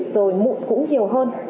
rồi mụn cũng nhiều hơn